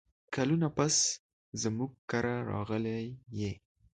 کلونه پس زموږ کره راغلې یې !